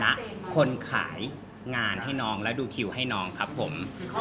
ในสถานนี้ผมไม่ได้แจ้งกองครับผม